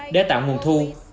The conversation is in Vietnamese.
để tạo nguồn thu